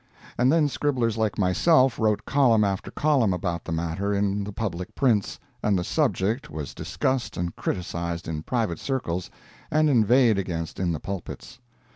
And then scribblers like myself wrote column after column about the matter in the public prints, and the subject was discussed and criticised in private circles and inveighed against in the pulpits.